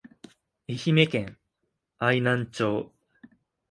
愛媛県愛南町